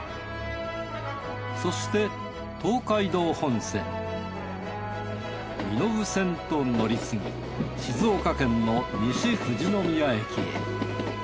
そして東海道本線身延線と乗り継ぎ静岡県の西富士宮駅へ。